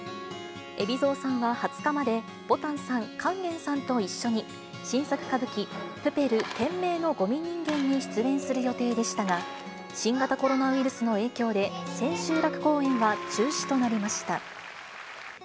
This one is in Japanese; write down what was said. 海老蔵さんは２０日まで、ぼたんさん、勸玄さんと一緒に新作歌舞伎、プペル天明の護美人間に出演する予定でしたが、新型コロナウイルスの影響で千秋楽公演は中止となりました。